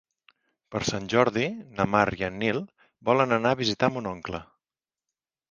Per Sant Jordi na Mar i en Nil volen anar a visitar mon oncle.